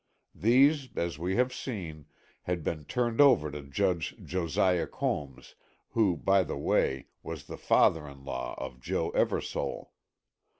These, as we have seen, had been turned over to Judge Josiah Combs, who, by the way, was the father in law of Joe Eversole.